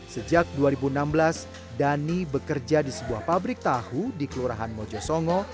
sejak dua ribu enam belas dhani bekerja di sebuah pabrik tahu di kelurahan mojosongo